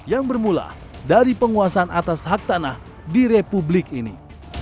yang bermula dari penguasaan atas hak tanah di republik ini